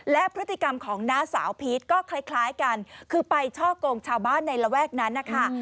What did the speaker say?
และพฤติกรรมของน้าสาวพีชก็คล้ายกันคือไปช่อกงชาวบ้านในระแวกนั้นนะคะ